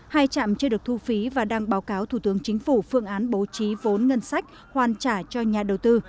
hai trạm chưa được thu phí và đang báo cáo thủ tướng chính phủ phương án bố trí vốn ngân sách hoàn trả cho nhà đầu tư